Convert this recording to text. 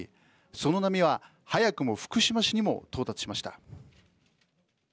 その波は早くも福島市にも到達しました。